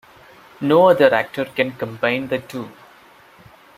No other actor can combine the two.